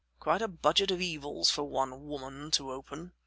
Quite a budget of evils for one woman to open.